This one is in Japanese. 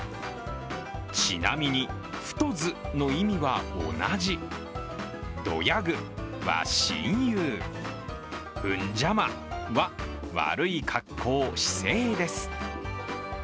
ちなみに、ふとずの意味は同じ、どやぐは親友、ふんじゃまは悪い格好・姿勢です